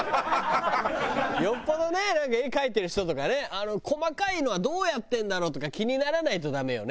よっぽどねなんか絵描いてる人とかね細かいのはどうやってんだろう？とか気にならないとダメよね。